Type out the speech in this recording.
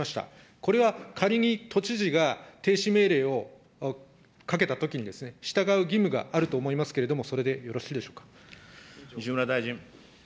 これは仮に都知事が停止命令をかけたときに、従う義務があると思いますけれども、それでよろしい西村大臣。